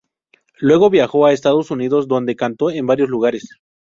Luego viajó a Estados Unidos, donde cantó en varios lugares.